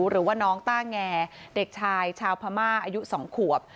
หรือว่าน้องต้าแงเด็กชายชาวพม่าอายุ๒ขวบ